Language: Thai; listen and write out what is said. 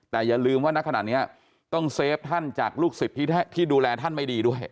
แต่อย่าลืมว่าณขณะนี้ต้องเซฟท่านจากลูกศิษย์ที่ดูแลท่านไม่ดีด้วย